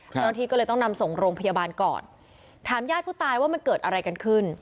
เจ้าหน้าที่ก็เลยต้องนำส่งโรงพยาบาลก่อนถามญาติผู้ตายว่ามันเกิดอะไรกันขึ้น